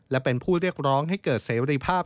และเป็นผู้เรียกร้องให้เกิดเสรีภาพ